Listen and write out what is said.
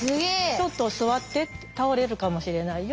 「ちょっと座って倒れるかもしれないよ